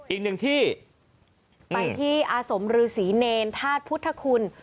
อีกหนึ่งที่ไปที่อาสมฤษีเนรธาตุพุทธคุณ